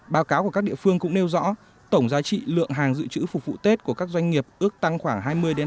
báo cáo của các địa phương cũng nêu rõ tổng giá trị lượng hàng dự trữ phục vụ tết của các doanh nghiệp ước tăng khoảng hai mươi hai mươi